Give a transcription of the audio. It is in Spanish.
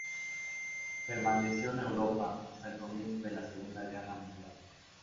Permaneció en Europa hasta el comienzo de la segunda guerra mundial.